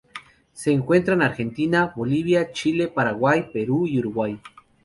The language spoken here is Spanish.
Se encuentra en Argentina, Bolivia, Chile, Paraguay, Perú y Uruguay.